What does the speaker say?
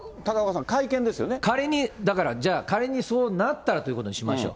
仮にだから、じゃあ、仮にそうなったらということにしましょう。